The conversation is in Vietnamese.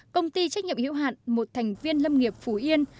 công ty trách nhiệm hữu hạn một thành viên lâm nghiệp phú yên